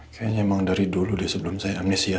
kayaknya emang dari dulu deh sebelum saya amnesia